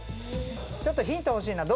ちょっとヒント欲しいな。